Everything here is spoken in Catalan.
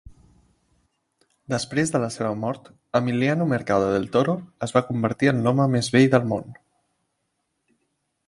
Després de la seva mort, Emiliano Mercado Del Toro es va convertir en l'home més vell del món.